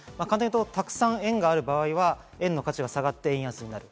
たくさん円がある場合は円の価値が下がって円安になる。